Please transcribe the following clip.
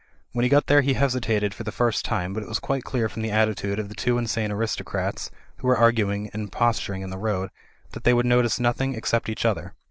When he got there he hesitated for the first time, but it was quite clear from the attitude of the two insane aristocrats who were arguing and posturing in the road that they would notice nothing except each other.